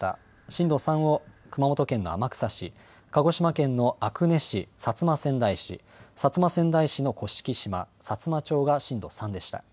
震度３を熊本県の天草市、鹿児島県の阿久根市、薩摩川内市、薩摩川内市の甑島、さつま町が震度３でした。